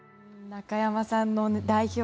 中山さんの代表